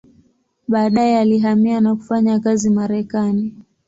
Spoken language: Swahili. Baadaye alihamia na kufanya kazi Marekani.